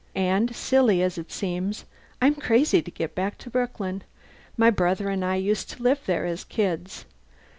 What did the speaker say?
And silly as it seems, I'm crazy to get back to Brooklyn. My brother and I used to live there as kids.